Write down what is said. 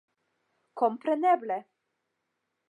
kompreneble